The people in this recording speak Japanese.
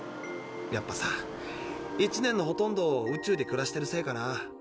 やっぱさ１年のほとんどを宇宙で暮らしてるせいかな。